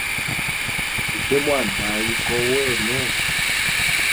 Ute mwanda ayi kowa wenu.